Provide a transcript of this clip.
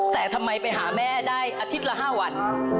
แต่ทำไมไปหาแม่ได้อาทิตย์ละ๕วัน